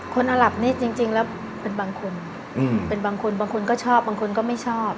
อาหลับนี่จริงแล้วเป็นบางคนเป็นบางคนบางคนก็ชอบบางคนก็ไม่ชอบ